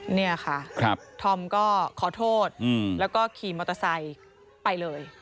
เนี่ยค่ะธอมก็ขอโทษแล้วก็ขี่มอเตอร์ไซค์ไปเลย